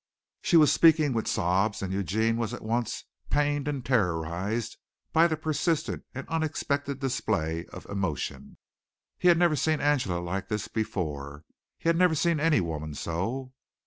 She was speaking with sobs, and Eugene was at once pained and terrorized by the persistent and unexpected display of emotion. He had never seen Angela like this before. He had never seen any woman so.